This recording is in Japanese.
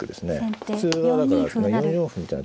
普通はだから４四歩みたいな手